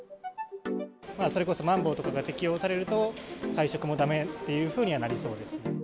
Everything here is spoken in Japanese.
それこそまん防とかが適用されると、会食もだめっていうふうにはなりそうですね。